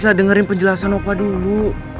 saya dengerin penjelasan opa dulu